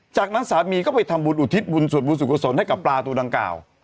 จากนั้นสามีก็ไปทำบุญอุทิศบุญสวดบุญสุขุศลให้กับปลาตัวดังกล่าว